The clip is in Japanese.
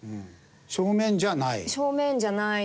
正面じゃない。